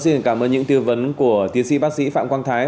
xin cảm ơn những tư vấn của tiến sĩ bác sĩ phạm quang thái